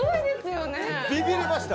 ビビりました。